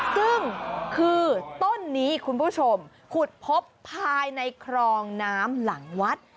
ซึ่งคือต้นนี้คุณผู้ชมขุดพบภายในครองน้ำหลังวัด